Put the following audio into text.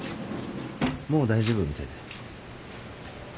もう大丈夫みたいだよ。